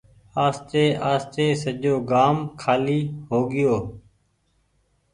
آستي آستي سجو گآم کآلي هوگئيو۔